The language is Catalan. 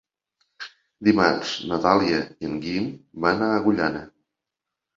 Dimarts na Dàlia i en Guim van a Agullana.